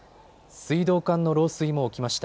水道管の漏水も起きました。